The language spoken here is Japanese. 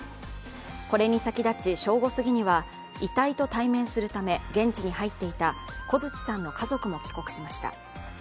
これに先立ち正午すぎには遺体と対面するため現地に入っていた小槌さんの家族も帰国しました。